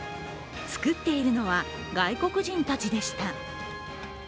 作っているのは外国人たちでした。